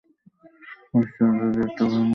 হরিশচন্দ্র জি একটা ভাল কন্যার খোঁজ করছেন।